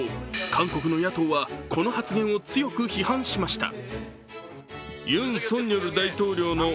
韓国の野党は、この発言を強く批判しました。